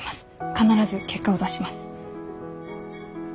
必ず結果を出します。